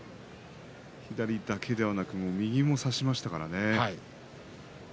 左だけではなく右も差しましたからね。